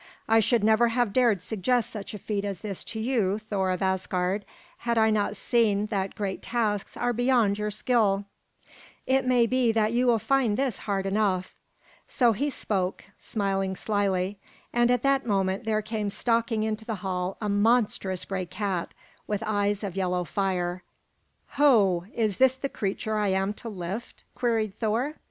I should never have dared suggest such a feat as this to you, Thor of Asgard, had I not seen that great tasks are beyond your skill. It may be that you will find this hard enough." So he spoke, smiling slyly, and at that moment there came stalking into the hall a monstrous gray cat, with eyes of yellow fire. "Ho! Is this the creature I am to lift?" queried Thor.